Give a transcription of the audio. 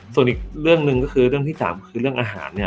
ส่วนอีกเรื่องหนึ่งก็คือเรื่องที่สามคือเรื่องอาหารเนี่ย